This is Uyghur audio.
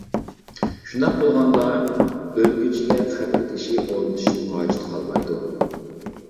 شۇنداق بولغاندا، ئۆلگۈچىگە قەبرە تېشى ئورنىتىشنىڭ ھاجىتى قالمايدۇ.